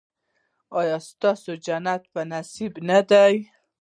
ایا ستاسو جنت په نصیب نه دی؟